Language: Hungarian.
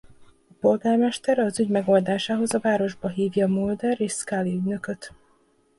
A polgármester az ügy megoldásához a városba hívja Mulder és Scully ügynököt.